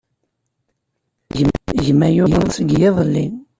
Gma yuḍen seg yiḍelli.